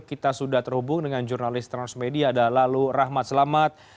kita sudah terhubung dengan jurnalis transmedia lalu rahmat selamat